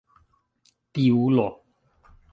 Piulo!